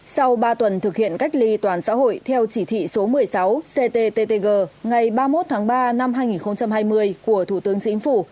sau ba tuần thực hiện cách ly toàn xã hội theo chỉ thị số một mươi sáu cttg ngày ba mươi một tháng ba năm hai nghìn hai mươi của thủ tướng chính phủ